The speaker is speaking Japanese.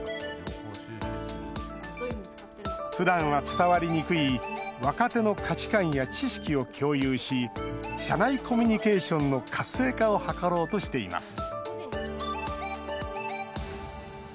ふだんは伝わりにくい若手の価値観や知識を共有し社内コミュニケーションの活性化を図ろうとしています